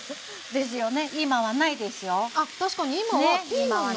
ですよね？